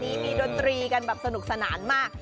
มีดนตรีกันแบบสนุกสนานมาก